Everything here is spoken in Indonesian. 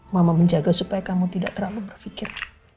mama menjaga supaya kamu tidak terlalu berpikir